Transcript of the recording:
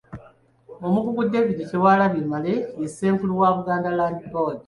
Omukungu David Kyewalabye Male ye Ssenkulu wa Buganda Land Board.